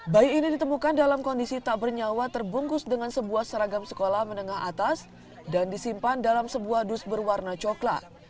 bayi ini ditemukan dalam kondisi tak bernyawa terbungkus dengan sebuah seragam sekolah menengah atas dan disimpan dalam sebuah dus berwarna coklat